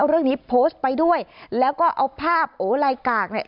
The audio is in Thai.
เรื่องนี้โพสต์ไปด้วยแล้วก็เอาภาพโอ้ลายกากเนี่ย